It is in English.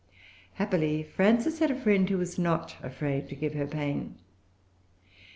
Happily Frances had a friend who was not afraid to give her pain.